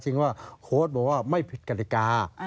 จริงว่าเขาก็บอกว่าแล้วไม่ผิดกรรณิกา